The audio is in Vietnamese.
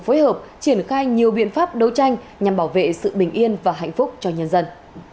phối hợp triển khai nhiều biện pháp đấu tranh nhằm bảo vệ sự bình yên và hạnh phúc cho nhân dân